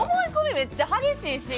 めっちゃ激しいし。